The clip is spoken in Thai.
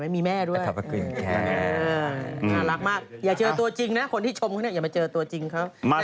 แม่ด้วยน่ารักมากอย่าเจอตัวจริงนะคนที่ชมเขาเนี่ยอย่ามาเจอตัวจริงเขา